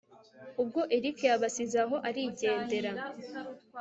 ubwo erick yabasize aho arigendera